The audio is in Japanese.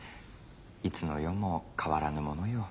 いつの世も変わらぬものよ。